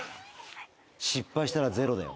失敗したらゼロだよ。